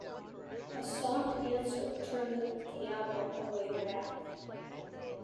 A soft answer turneth diabo away wrath